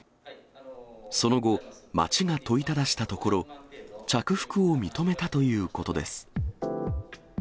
その後、町が問いただしたところ、着服を認めたということです。